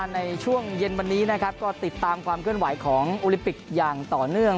ในช่วงเย็นวันนี้นะครับก็ติดตามความเคลื่อนไหวของโอลิมปิกอย่างต่อเนื่อง